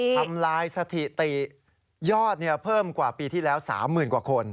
ทำลายสถิติยอดเพิ่มกว่าปีที่แล้ว๓๐๐๐กว่าคน